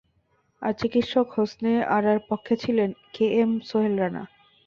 আর চিকিৎসক হোসনে আরার পক্ষে ছিলেন A K M Sohel Rana.